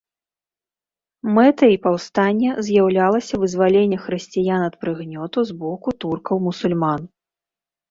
Мэтай паўстання з'яўлялася вызваленне хрысціян ад прыгнёту з боку туркаў-мусульман.